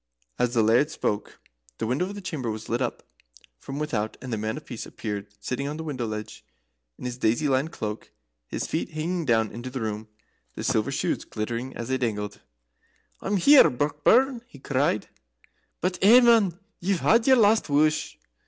As the Laird spoke the window of the chamber was lit up from without, and the Man of Peace appeared sitting on the window ledge in his daisy lined cloak, his feet hanging down into the room, the silver shoes glittering as they dangled. "I'm here, Brockburn!" he cried. "But eh, man! ye've had your last wush."